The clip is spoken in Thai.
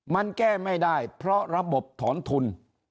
มันแก้ไม่ได้เพราะระบบถอนทุน